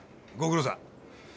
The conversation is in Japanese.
ご苦労さん。